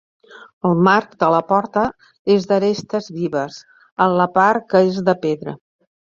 El marc de la porta és d'arestes vives, en la part que és de pedra.